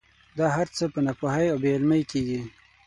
دا هر څه په ناپوهۍ او بې علمۍ کېږي.